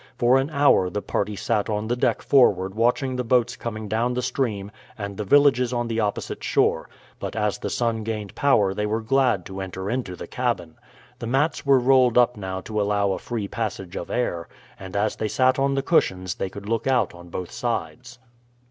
For an hour the party sat on the deck forward watching the boats coming down the stream and the villages on the opposite shore; but as the sun gained power they were glad to enter into the cabin. The mats were rolled up now to allow a free passage of air, and as they sat on the cushions they could look out on both sides.